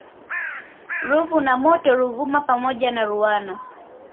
Ruvu na mto Ruvuma pamoja na Ruwana